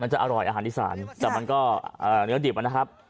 จะอร่อยอาหารอีสานแต่มันก็เนื้อดิบนะครับ